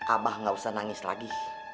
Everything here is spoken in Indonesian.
abah gak usah nangis lagi